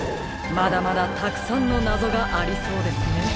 まだまだたくさんのなぞがありそうですね。